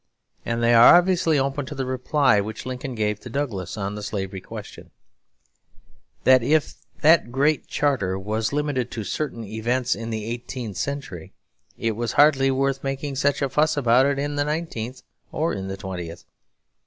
And they are obviously open to the reply which Lincoln gave to Douglas on the slavery question; that if that great charter was limited to certain events in the eighteenth century, it was hardly worth making such a fuss about in the nineteenth or in the twentieth.